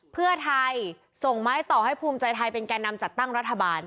เพื่อไทยส่งไม้ต่อให้ภูมิใจไทยเป็นแก่นำจัดตั้งรัฐบาล